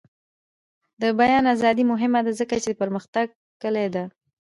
د بیان ازادي مهمه ده ځکه چې د پرمختګ کلي ده.